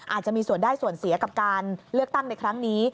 อาจจะมีส่วนได้ส่วนเสียกับการเลือกตั้งในครั้งนี้